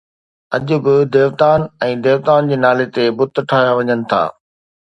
اڄ به ديوتائن ۽ ديوتائن جي نالي تي بت ٺاهيا وڃن ٿا